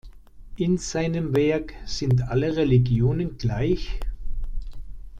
In seinem Werk "Sind alle Religionen gleich?